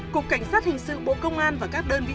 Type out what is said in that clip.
cục cảnh sát hình sự bộ công an và các đơn vị